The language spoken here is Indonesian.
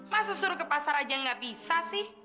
masa suruh ke pasar aja nggak bisa sih